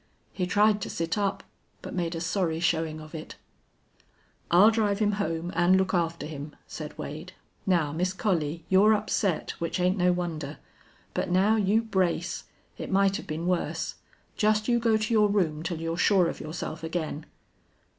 He tried to sit up, but made a sorry showing of it. "I'll drive him home an' look after him," said Wade. "Now, Miss Collie, you're upset, which ain't no wonder. But now you brace. It might have been worse. Just you go to your room till you're sure of yourself again."